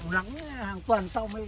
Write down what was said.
lắng hàng tuần sau mới lắng